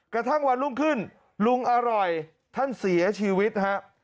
กระทั่งวันรุ่งขึ้นลุงอร่อยท่านเสียชีวิตฮะ